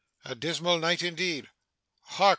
A dismal night, indeed! Hark!